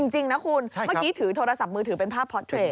จริงนะคุณเมื่อกี้ถือโทรศัพท์มือถือเป็นภาพพอตเทรด